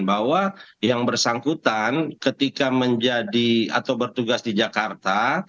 bahwa yang bersangkutan ketika menjadi atau bertugas di jakarta